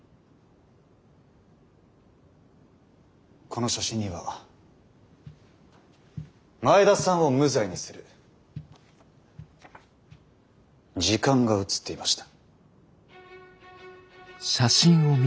この写真には前田さんを無罪にする「時間」が写っていました。